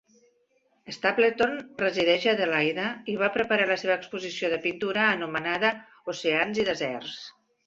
Stapleton resideix a Adelaide i va preparar la seva exposició de pintura, anomenada "Oceans i deserts".